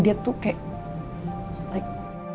dia tuh kayak